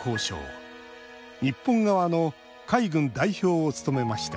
日本側の海軍代表を務めました。